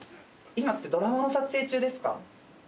今ってドラマの撮影中ですか？